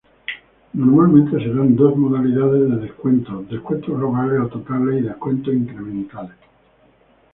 Normalmente se dan dos modalidades de descuentos: descuentos globales o totales y descuentos incrementales.